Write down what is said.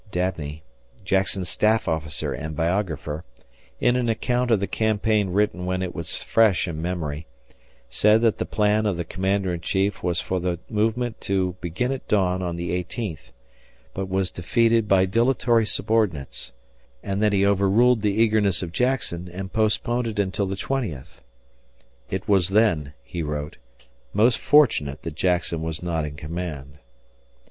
Dabney, Jackson's staff officer and biographer, in an account of the campaign written when it was fresh in memory, said that the plan of thecommander in chief was for the movement to begin at dawn on the eighteenth, but was defeated by dilatory subordinates, and that he overruled the eagerness of Jackson and postponed it until the twentieth. "It was then," he wrote, "most fortunate that Jackson was not in command."